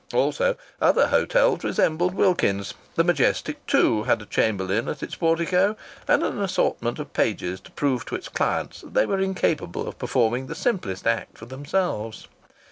Also, other hotels resembled Wilkins's. The Majestic, too, had a chamberlain at its portico and an assortment of pages to prove to its clients that they were incapable of performing the simplest act for themselves.